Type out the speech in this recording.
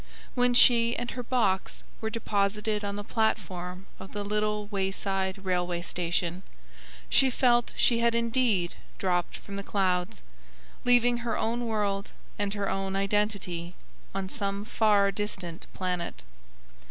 When she and her "box" were deposited on the platform of the little wayside railway station, she felt she had indeed dropped from the clouds; leaving her own world, and her own identity, on some far distant planet.